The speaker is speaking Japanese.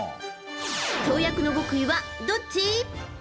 跳躍の極意はどっち？